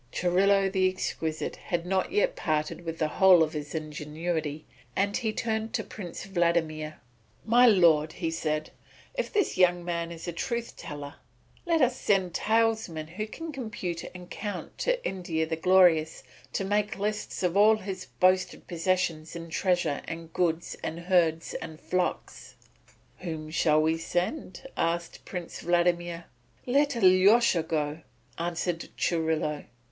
Churilo the Exquisite had not yet parted with the whole of his ingenuity, and he turned to Prince Vladimir: "My Lord," he said, "if this young man is a truth teller, let us send talesmen who can compute and count to India the Glorious, to make lists of all his boasted possessions in treasure and goods and herds and flocks." "Whom shall we send?" asked Prince Vladimir. "Let Alyosha go," answered Churilo.